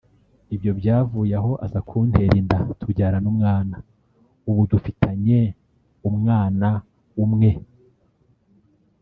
Ibyo byavuye aho aza kuntera inda tubyarana umwana ubu dufitanye umwana umwe